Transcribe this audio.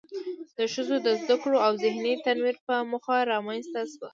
د ښځو د زده کړو او ذهني تنوير په موخه رامنځ ته شوه.